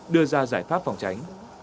đưa ra giải pháp phòng cháy